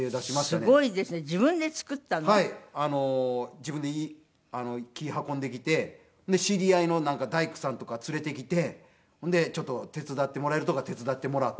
自分で木運んできて知り合いの大工さんとか連れてきてほんでちょっと手伝ってもらえるとこは手伝ってもらって。